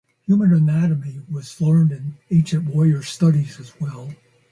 Human anatomy was learned in ancient warrior studies as well.